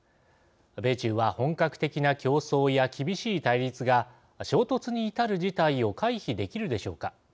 米中は本格的な競争や厳しい対立が衝突に至る事態を回避できるでしょうか。